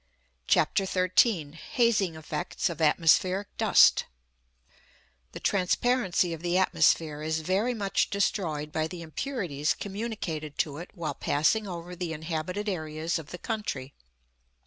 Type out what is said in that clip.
CHAPTER XIII HAZING EFFECTS OF ATMOSPHERIC DUST The transparency of the atmosphere is very much destroyed by the impurities communicated to it while passing over the inhabited areas of the country.